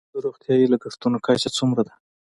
د روغتیايي لګښتونو کچه څومره ده؟